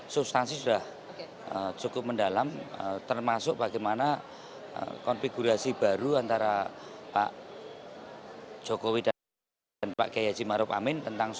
substansi sudah cukup mendalam termasuk bagaimana konfigurasi baru antara pak jokowi dan pak kiai haji maruf amin